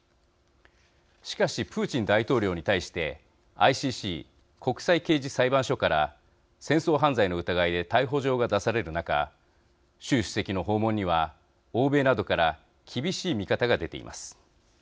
しかし、プーチン大統領に対してＩＣＣ＝国際刑事裁判所から戦争犯罪の疑いで逮捕状が出される中習主席の訪問には欧米などから厳しい見方が出ています。